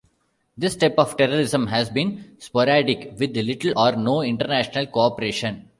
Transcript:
This type of terrorism has been sporadic, with little or no international cooperation.